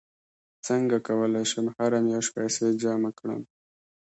څنګه کولی شم هره میاشت پیسې جمع کړم